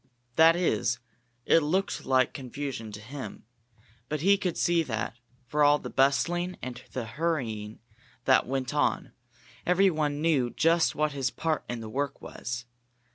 That is, it looked like confusion to him, but he could see that, for all the bustling and the hurrying that went on, everyone knew just what his part in the work was.